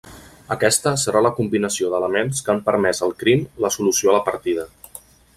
Aquesta serà la combinació d'elements que han permès el crim, la solució a la partida.